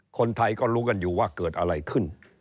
คนไทยก็รู้กันอยู่ว่าเกิดอะไรขึ้น